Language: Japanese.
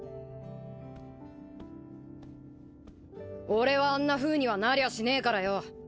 俺はあんなふうにはなりゃしねえからよ。